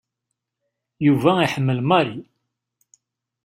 Yuba iḥemmel Mary.